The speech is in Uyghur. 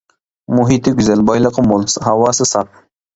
مۇھىتى گۈزەل، بايلىقى مول، ھاۋاسى ساپ.